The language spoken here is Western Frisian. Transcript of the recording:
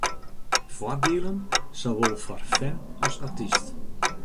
Foardielen, sawol foar fan as artyst.